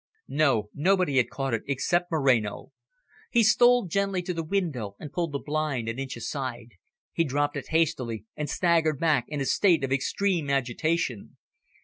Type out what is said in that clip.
No, nobody had caught it, except Moreno. He stole gently to the window, and pulled the blind an inch aside. He dropped it hastily, and staggered back in a state of extreme agitation.